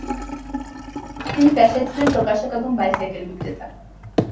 তিনি পেশায় ছিলেন প্রকাশক এবং বাইসাইকেল বিক্রেতা।